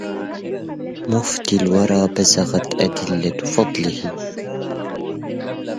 مفتي الورى بزغت أدلة فضله